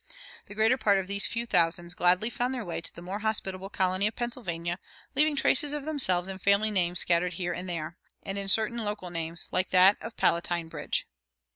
The greater part of these few thousands gladly found their way to the more hospitable colony of Pennsylvania, leaving traces of themselves in family names scattered here and there, and in certain local names, like that of Palatine Bridge.